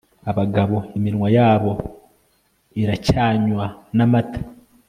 Abagabo iminwa yabo iracyanywa namata